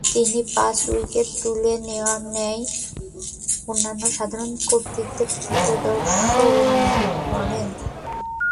তিনি পাঁচ উইকেট তুলে নেয়ার ন্যায় অনন্য সাধারণ কৃতিত্ব প্রদর্শন করেন।